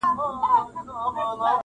په کهاله کي د مارانو شور ماشور سي٫